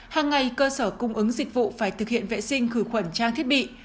hàng ngày cơ sở cung ứng dịch vụ phải thực hiện vệ sinh khử khuẩn trang thiết bị